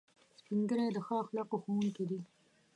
سپین ږیری د ښو اخلاقو ښوونکي دي